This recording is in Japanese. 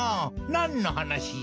なんのはなしじゃ？